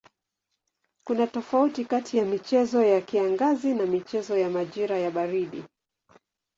Kuna tofauti kati ya michezo ya kiangazi na michezo ya majira ya baridi.